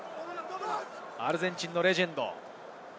アルゼンチンのレジェンド。